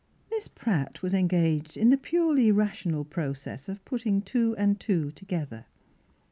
Miss Pratt was engaged in the purely rational process of putting two and two together.